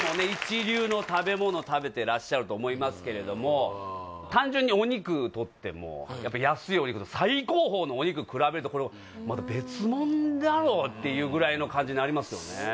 一流の食べ物食べてらっしゃると思いますけれども単純にお肉とっても安いお肉と最高峰のお肉比べると別もんだろうっていうぐらいの感じになりますよね